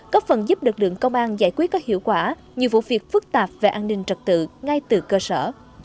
có phần giúp lực lượng công an giải quyết các hiệu quả nhiều vụ việc phức tạp về an ninh trật tự ngay từ cơ sở